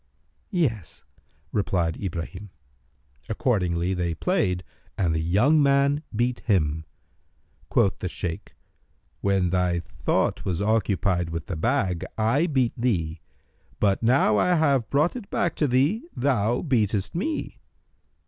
"Yes," replied Ibrahim. Accordingly they played and the young man beat him. Quoth the Shaykh, "When thy thought was occupied with the bag, I beat thee: but, now I have brought it back to thee, thou beatest me.